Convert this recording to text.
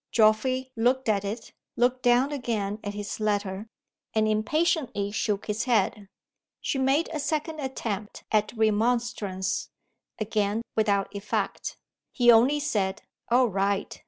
Geoffrey looked at it; looked down again at his letter; and impatiently shook his head. She made a second attempt at remonstrance again without effect. He only said, "All right!"